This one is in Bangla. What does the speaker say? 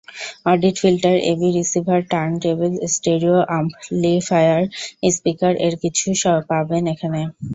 Audio filter, AB receiver, turn table, stereo amplifier, স্পিকার—এর সবকিছু পাবেন এখানে।